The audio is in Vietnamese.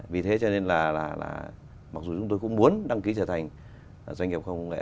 vì thế cho nên là mặc dù chúng tôi cũng muốn đăng ký trở thành doanh nghiệp khoa học công nghệ